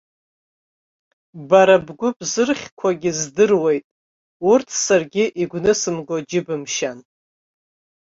Бара бгәы бзырхьқәоугьы здыруеит, урҭ саргьы игәнысымго џьыбымшьан.